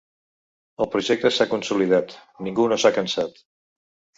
El projecte s’ha consolidat, ningú no s’ha cansat.